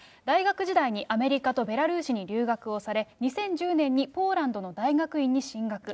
大学時代にアメリカとベラルーシに留学をされ、２０１０年にポーランドの大学院に進学。